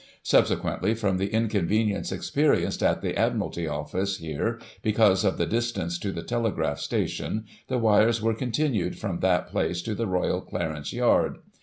Subsequently, from the inconvenience experienced at the Admiralty Office here, because of the distance to the telegraph station, the wires were continued from that place to the Royal Clarence Yard.